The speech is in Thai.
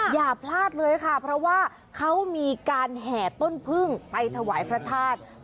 อย่าพลาดเลยค่ะเพราะว่าเขามีการแห่ต้นพึ่งไปถวายพระธาตุ